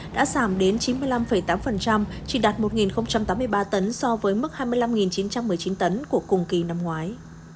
đã giảm đến chín mươi năm tám chỉ đạt một tám mươi ba tấn so với mức hai mươi năm chín trăm một mươi chín tấn của cùng kỳ năm ngoái